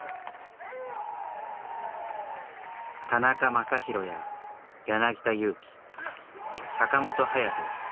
田中将大や柳田悠岐坂本勇人。